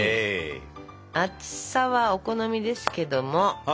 厚さはお好みですけども。